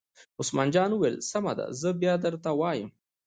عثمان جان وویل: سمه ده زه بیا درته وایم.